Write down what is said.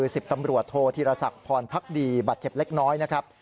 ๒สิบตำรวจโทษธิระสักพรพักดีบาดเจ็บเล็กน้อย